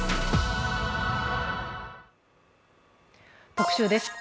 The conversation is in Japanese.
「特集」です。